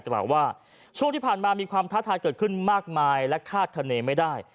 กล่าวว่าช่วงที่ผ่านมามีความท้าทายเกิดขึ้นมากมายและคาดคณีไม่ได้